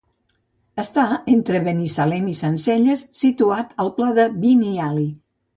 Està entre Binissalem i Sencelles, situat al pla de Biniali.